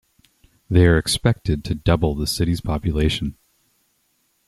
They are expected to double the city's population.